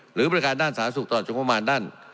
หรือบริการด้านสาธารณสุขต่อจุงโมมานด้าน